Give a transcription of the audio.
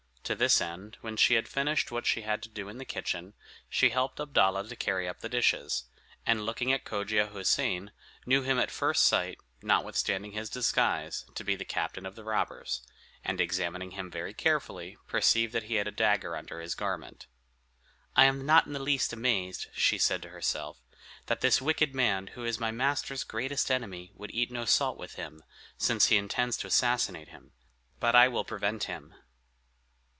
To this end, when she had finished what she had to do in the kitchen, she helped Abdalla to carry up the dishes; and looking at Cogia Houssain, knew him at first sight, notwithstanding his disguise, to be the captain of the robbers, and examining him very carefully, perceived that he had a dagger under his garment. "I am not in the least amazed," said she to herself, "that this wicked man, who is my master's greatest enemy, would eat no salt with him, since he intends to assassinate him; but I will prevent him."